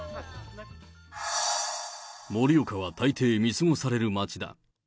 盛岡はたいてい見過ごされる街だ。